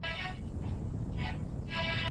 که ولور اداء سي، نکاح مه ځنډوئ.